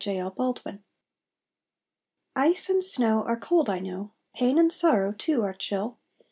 SUNLIGHT ICE and snow are cold, I know Pain and sorrow too are chill.